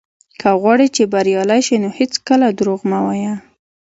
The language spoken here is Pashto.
که غواړې چې بريالی شې، نو هېڅکله دروغ مه وايه.